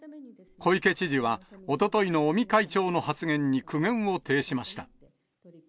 小池知事は、おとといの尾身会長の発言に苦言を呈しました。